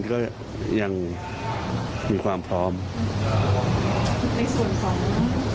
ขอเลื่อนสิ่งที่คุณหนูรู้สึก